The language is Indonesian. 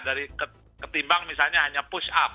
dari ketimbang misalnya hanya push up